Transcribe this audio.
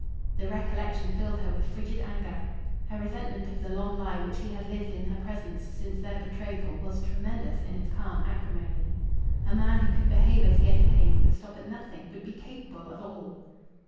The recollection filled her with frigid anger. Her resentment of the long lie which he had lived in her presence since their betrothal was tremendous in its calm acrimony. A man who could behave as he had behaved would stop at nothing, would be capable of all.